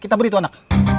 kita beri tuh anak